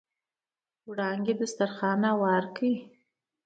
وړانګې دسترخوان هوار کړ.